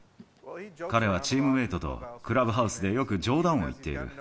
彼はチームメートとクラブハウスでよく冗談を言っている。